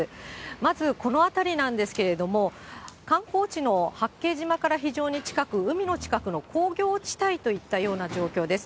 まずこの辺りなんですけれども、観光地の八景島から非常に近く、海の近くの工業地帯といった状況です。